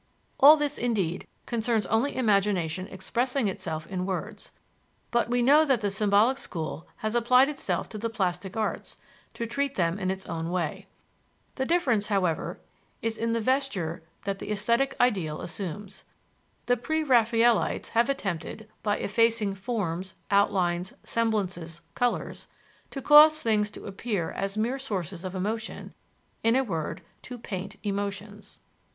All this, indeed, concerns only imagination expressing itself in words; but we know that the symbolic school has applied itself to the plastic arts, to treat them in its own way. The difference, however, is in the vesture that the esthetic ideal assumes. The pre Raphaelites have attempted, by effacing forms, outlines, semblances, colors, "to cause things to appear as mere sources of emotion," in a word, to paint emotions.